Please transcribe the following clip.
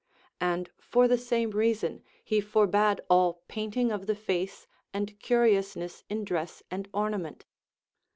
And for the same reason he for bade all painting of the face and curiousness in dress and ornament.